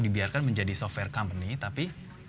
dibiarkan menjadi software company tapi